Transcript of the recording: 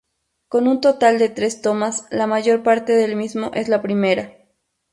Con un total de tres tomas, la mayor parte del mismo es la primera.